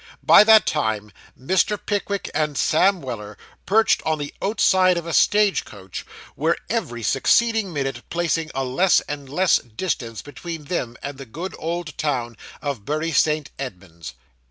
By that time, Mr. Pickwick and Sam Weller, perched on the outside of a stage coach, were every succeeding minute placing a less and less distance between themselves and the good old town of Bury St. Edmunds.